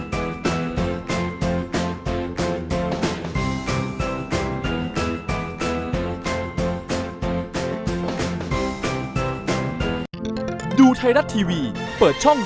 มีความสุขในที่เราอยู่ในช่องนี้ก็คือความสุขในที่เราอยู่ในช่องนี้